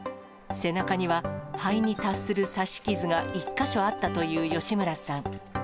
背中には肺に達する刺し傷が１か所あったという吉村さん。